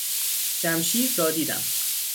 جمشید را دیدم.